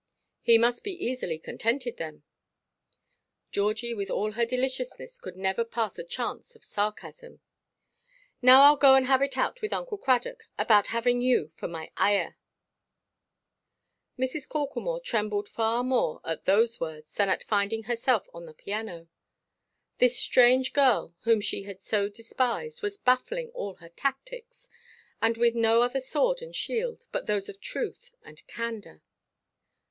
"He must be easily contented, then." Georgie, with all her deliciousness, could never pass a chance of sarcasm. "Now Iʼll go and have it out with Uncle Cradock, about having you for my ayah." Mrs. Corklemore trembled far more at those words than at finding herself on the piano. This strange girl—whom she had so despised—was baffling all her tactics, and with no other sword and shield but those of truth and candour.